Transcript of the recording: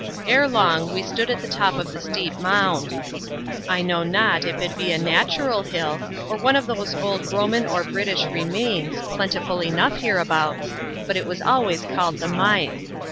Ere long we stood on the top of the steep mound. I know not if it be a natural hill, or one of those old Roman or British remains, plentiful enough hereabouts, but it was always called the Mythe.